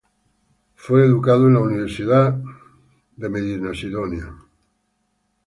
Fue educado en la University of Hull.